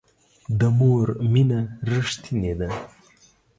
د مور مینه ریښتینې ده